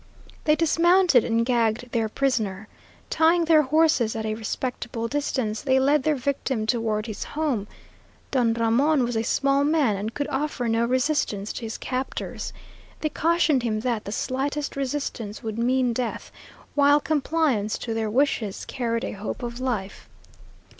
They dismounted and gagged their prisoner. Tying their horses at a respectable distance, they led their victim toward his home. Don Ramon was a small man, and could offer no resistance to his captors. They cautioned him that the slightest resistance would mean death, while compliance to their wishes carried a hope of life.